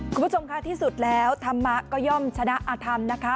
คุณผู้ชมค่ะที่สุดแล้วธรรมะก็ย่อมชนะอธรรมนะคะ